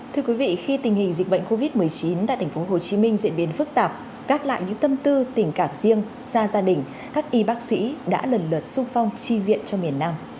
thưa quý vị khi tình hình dịch bệnh covid một mươi chín tại tp hcm diễn biến phức tạp gác lại những tâm tư tình cảm riêng xa gia đình các y bác sĩ đã lần lượt sung phong chi viện cho miền nam